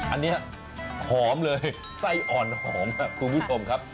อันนี้หอมเลยไส้อ่อนหอมคุณผู้ชมครับ